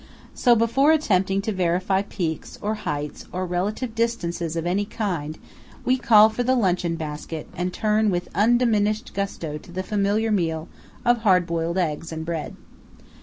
So before attempting to verify peaks, or heights, or relative distances of any kind, we call for the luncheon basket and turn with undiminished gusto to the familiar meal of hard boiled eggs and bread.